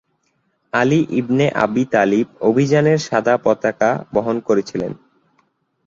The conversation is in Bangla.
আলি ইবনে আবি তালিব অভিযানের সাদা পতাকা বহন করেছিলেন।